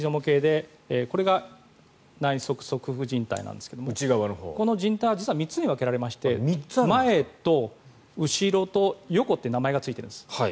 これが内側側副じん帯なんですがこのじん帯実は３つに分けられまして前と後ろと横って名前がついているんです。